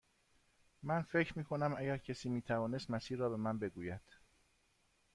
من فکر می کنم اگر کسی می توانست مسیر را به من بگوید.